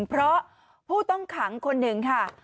เพราะผู้ต้องขังคนหนึ่งค่ะ